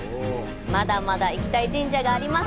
まだまだ行きたい神社があります。